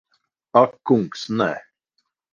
Ak kungs, nē.